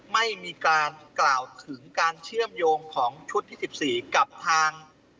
ไม่มีการกล่าวถึงการเชื่อมโยงของชุดที่๑๔กับทาง